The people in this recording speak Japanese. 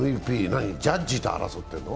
ＭＶＰ、ジャッジと争ってるの？